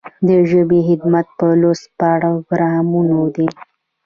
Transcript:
د ژبې خدمت په لوست پروګرامونو دی.